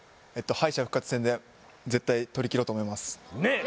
敗者復活戦で絶対とりきろうと思いますねえ